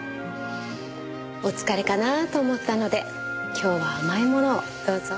お疲れかなあと思ったので今日は甘いものをどうぞ。